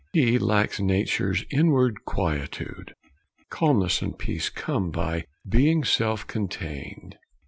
He lacks nature's inward quietude. Calmness and peace come by being self contained.